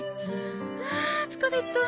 はあ疲れた。